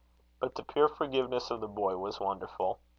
But the pure forgiveness of the boy was wonderful.